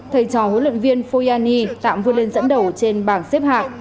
thầy trò huấn luyện viên foiani tạm vươn lên dẫn đầu trên bảng xếp hạc